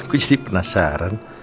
hmm gue jadi penasaran